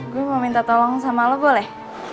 gue mau minta tolong sama lo boleh